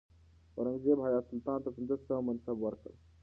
اورنګزیب حیات سلطان ته پنځه سوه منصب ورکړ.